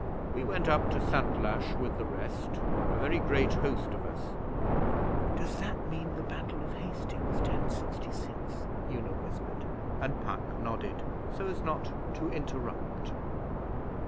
We went up to Santlache with the rest a very great host of us.' 'Does that mean the Battle of Hastings Ten Sixty Six?' Una whispered, and Puck nodded, so as not to interrupt.